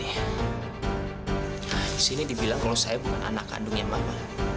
nah disini dibilang kalau saya bukan anak kandung yang mama